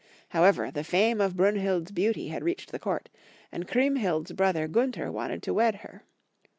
However, the fame of Brunhild's beauty had reached the court, and Chriemhild's brother Gunther wanted to wed her.